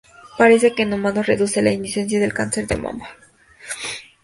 Parece que en humanos reduce la incidencia del cáncer de mama.